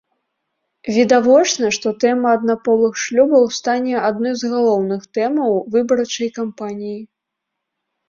Відавочна, што тэма аднаполых шлюбаў стане адной з галоўных тэмаў выбарчай кампаніі.